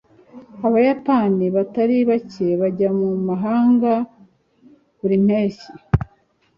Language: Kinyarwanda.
abayapani batari bake bajya mu mahanga buri mpeshyi